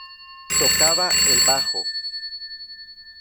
Tocaba el bajo.